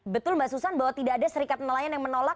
betul mbak susan bahwa tidak ada serikat nelayan yang menolak